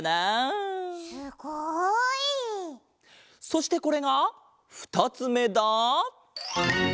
そしてこれがふたつめだ。